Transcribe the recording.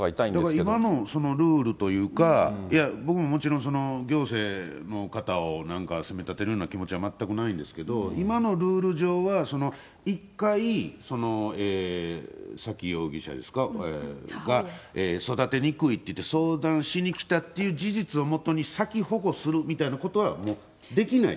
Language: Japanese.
だから、今のルールというか、いや、僕ももちろんその行政の方をなんか責めたてるような気持ちは全くないんですけれども、今のルール上は、１回、沙喜容疑者が育てにくいって言うて、相談しに来たっていう事実をもとに先、保護するみたいなことはできない？